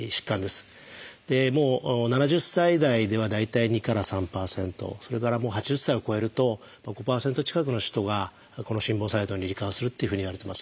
７０歳代では大体２から３％それから８０歳を超えると５％近くの人がこの心房細動に罹患するっていうふうにいわれてます。